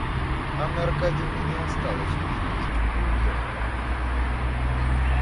Анна Аркадьевна не осталась ужинать и уехала.